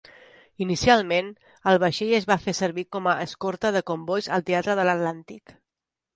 Inicialment, el vaixell es va fer servir com a escorta de combois al teatre de l'Atlàntic.